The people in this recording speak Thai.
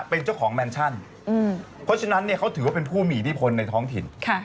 เป็นเจ้าของแมนชั่นเพราะฉะนั้นเขาถือว่าเป็นผู้มีอิทธิพลในท้องถิ่น